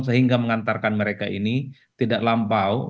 sehingga mengantarkan mereka ini tidak lampau